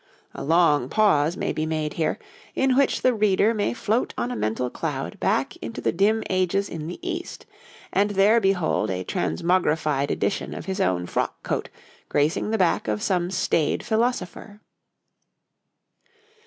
A long pause may be made here, in which the reader may float on a mental cloud back into the dim ages in the East, and there behold a transmogrified edition of his own frock coat gracing the back of some staid philosopher.